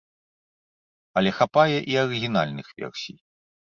Але хапае і арыгінальных версій.